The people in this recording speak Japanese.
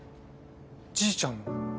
じいちゃんの。